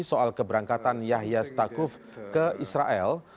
soal keberangkatan yahya stakuf ke israel